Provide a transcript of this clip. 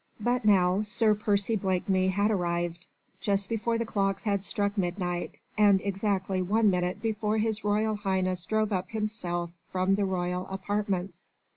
But now Sir Percy Blakeney had arrived, just before the clocks had struck midnight, and exactly one minute before His Royal Highness drove up himself from the Royal Apartments.